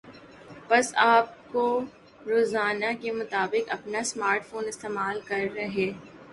پس آپ کو روزانہ کے مطابق اپنا سمارٹ فون استعمال کر ہے